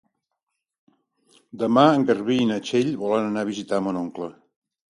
Demà en Garbí i na Txell volen anar a visitar mon oncle.